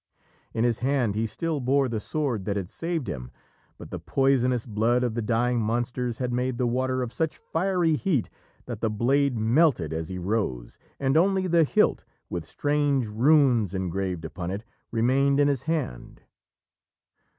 In his hand he still bore the sword that had saved him, but the poisonous blood of the dying monsters had made the water of such fiery heat that the blade melted as he rose, and only the hilt, with strange runes engraved upon it, remained in his hand.